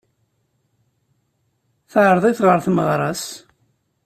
Teεreḍ-it ɣer tmeɣra-s.